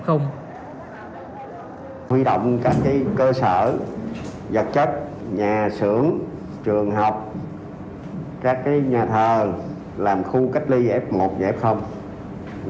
các ý kiến tại cuộc họp đề nghị các địa phương chuẩn bị mới rộng thêm các khu cách ly tập trung f một và f